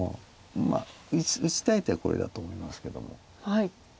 まあ打ちたい手はこれだと思いますけども。